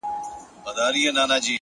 د خپل ژوند عکس ته گوري،